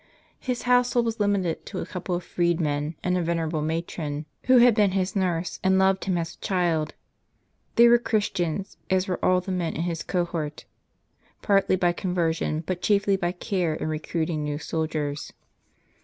His household was limited to a couple of freedmen, and a venerable matron, Meta sMans, after a ,._ 11. bronze of Vespasian. who had been his nurse, and loved him as a child. They were Christians, as were all the men in his cohort ; i^artly by conversion, but chiefly by care in recruiting new soldiers.